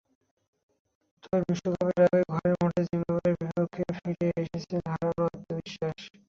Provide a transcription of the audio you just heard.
তবে বিশ্বকাপের আগে ঘরের মাঠে জিম্বাবুয়ের বিপক্ষে ফিরে পেয়েছিলেন হারানো আত্মবিশ্বাস।